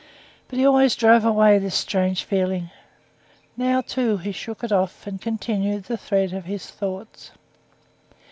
But he always drove away this strange feeling. Now, too, he shook it off and continued the thread of his thoughts.